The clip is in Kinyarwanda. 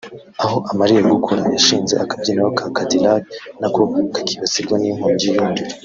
aho amariye gukura yashinze akabyiniro ka Cadillac nako kakibasirwa n’inkongi y’umuriro